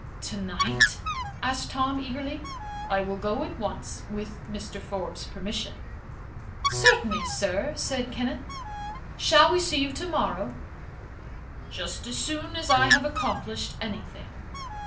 "Tonight?" asked Tom, eagerly. "I will go at once, with Mr. Forbes's permission." "Certainly, sir," said Kenneth. "Shall we see you tomorrow?" "Just as soon as I have accomplished anything."